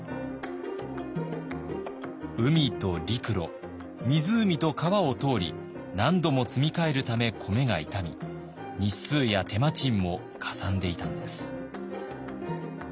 海と陸路湖と川を通り何度も積み替えるため米が傷み日数や手間賃もかさんでいたのです。